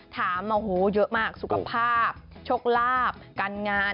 ถามเยอะมากสุขภาพชกลาบการงาน